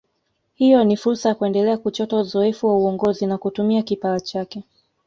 Hiyo ni fursa ya kuendelea kuchota uzoefu wa uongozi na kutumia kipawa chake